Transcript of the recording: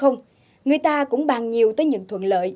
người ta cũng bàn nhiều tới những thuận lợi